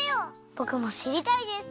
ぼくもしりたいです。